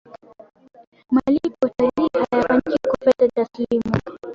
malipo ya utalii hayafanyiki kwa fedha taslimu